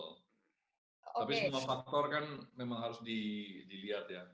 tapi semua faktor kan memang harus dilihat ya